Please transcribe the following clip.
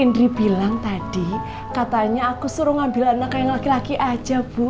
indri bilang tadi katanya aku suruh ngambil anak yang laki laki aja bu